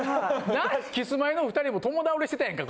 キスマイの２人も共倒れしてたやんか